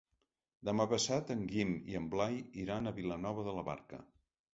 Demà passat en Guim i en Blai iran a Vilanova de la Barca.